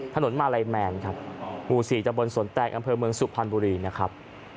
ถนนมาลัยแมนครับหมู่๔ตะบนสนแตงอำเภอเมืองสุพรรณบุรีนะครับ